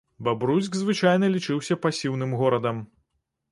Бабруйск звычайна лічыўся пасіўным горадам.